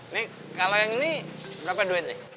nih kalau yang ini berapa duit nih